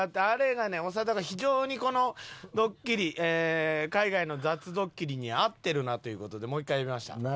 あれがね長田が非常にこのドッキリ海外の雑ドッキリに合ってるなという事でもう一回呼びました。